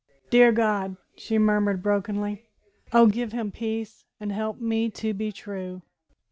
"Dear God," she murmured brokenly, "oh, give him peace, and help me to be true!"